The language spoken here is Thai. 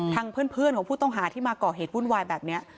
เพื่อนของผู้ต้องหาที่มาก่อเหตุวุ่นวายแบบนี้